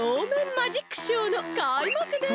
マジックショーのかいまくです！